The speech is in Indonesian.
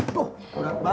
tuh berat banget nih